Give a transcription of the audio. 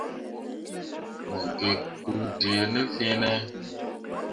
Mo gikki kpu dee ne fene.